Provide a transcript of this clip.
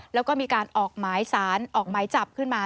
แล้วก็มีการออกหมายสารออกหมายจับขึ้นมา